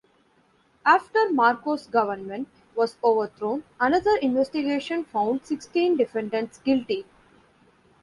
After Marcos' government was overthrown, another investigation found sixteen defendants guilty.